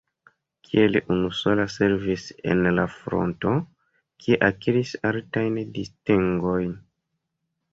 Kiel unusola servis en la fronto, kie akiris altajn distingojn.